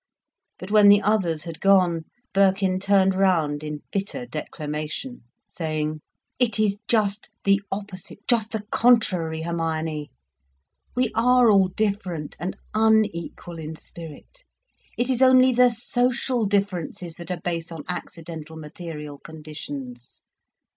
But when the others had gone, Birkin turned round in bitter declamation, saying: "It is just the opposite, just the contrary, Hermione. We are all different and unequal in spirit—it is only the social differences that are based on accidental material conditions.